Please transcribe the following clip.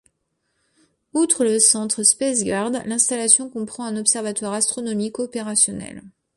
Outre le centre Spaceguard, l'installation comprend un observatoire astronomique opérationnel.